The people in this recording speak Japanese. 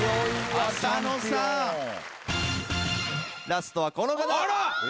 ラストはこの方。